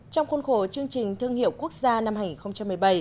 trong khuôn khổ chương trình thương hiệu quốc gia năm hai nghìn một mươi bảy